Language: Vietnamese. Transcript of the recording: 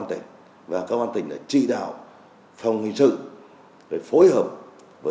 đang có nhiều thủ đoạn biến tướng